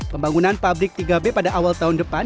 pembangunan pabrik pusri iiib pada awal tahun depan